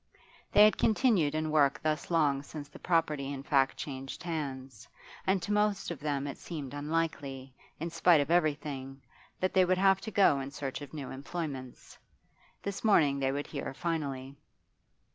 They had continued in work thus long since the property in fact changed hands, and to most of them it seemed unlikely, in spite of every thing, that they would have to go in search of new employments. This morning they would hear finally.